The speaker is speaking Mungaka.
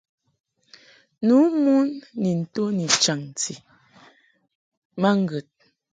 Nu mon ni nto ni chaŋti ma ŋgəd.